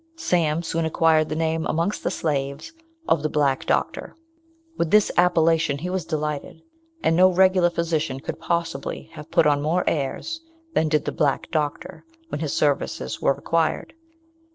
Sam soon acquired the name amongst the slaves of the "Black Doctor." With this appellation he was delighted, and no regular physician could possibly have put on more airs than did the black doctor when his services were required.